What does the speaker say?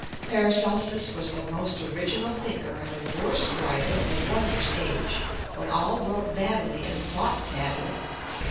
PARACELSUS was the most original thinker and the worst writer of a wondrous age, when all wrote badly and thought badly.